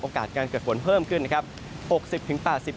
การเกิดฝนเพิ่มขึ้นนะครับ